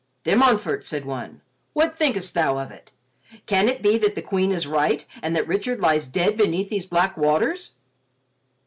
"De Montfort," said one, "what thinkest thou of it? Can it be that the Queen is right and that Richard lies dead beneath these black waters?"